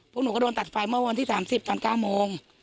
พวกหนูก็โดนตัดไฟเมื่อวันที่๓๐ตอน๙โมง